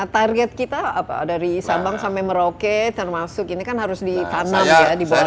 target kita dari sambang sampai merauke termasuk ini kan harus ditanam di bawah laut apa pasalnya